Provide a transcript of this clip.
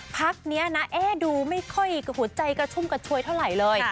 พักนี้นะดูไม่ค่อยหัวใจกระชุ่มกระชวยเท่าไหร่เลย